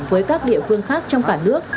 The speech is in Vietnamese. với các địa phương khác trong cả nước